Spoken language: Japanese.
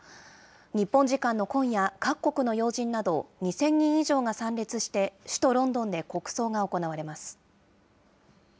日本時間の今夜、各国の要人など２０００人以上が参列して首都ロンドンで国葬が行われます。